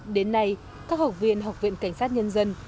đến nay các học viên học viện cảnh sát nhân dân